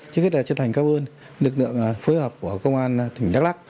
trước hết là trân thành cao hơn lực lượng phối hợp của công an tỉnh đắk lắc